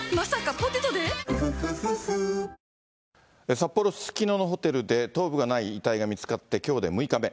札幌・すすきののホテルで、頭部がない遺体が見つかってきょうで６日目。